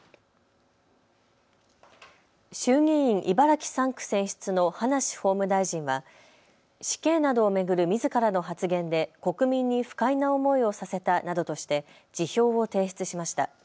衆議院茨城３区選出の葉梨法務大臣は死刑などを巡るみずからの発言で国民に不快な思いをさせたなどとして辞表を提出しました。